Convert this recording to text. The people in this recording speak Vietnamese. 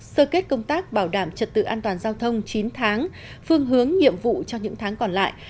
sơ kết công tác bảo đảm trật tự an toàn giao thông chín tháng phương hướng nhiệm vụ cho những tháng còn lại